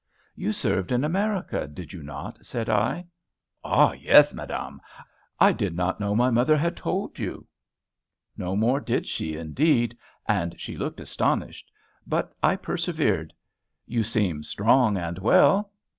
"You served in America, did you not?" said I. "Ah, yes, madame! I did not know my mother had told you." No more did she, indeed; and she looked astonished. But I persevered, "You seem strong and well."